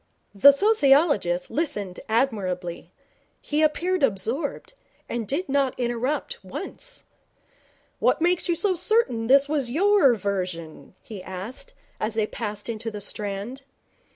The sociologist listened admirably. He appeared absorbed, and did not interrupt once. 'What makes you so certain that this was your version?' he asked, as they passed into the Strand.